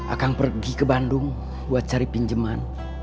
akang pergi ke bandung buat cari pinjeman